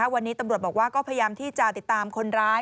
วันนี้ตำรวจบอกว่าก็พยายามที่จะติดตามคนร้าย